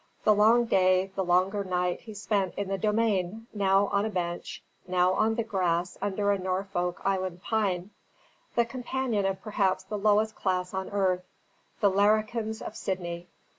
The long day and longer night he spent in the Domain, now on a bench, now on the grass under a Norfolk Island pine, the companion of perhaps the lowest class on earth, the Larrikins of Sydney.